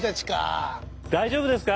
大丈夫ですか？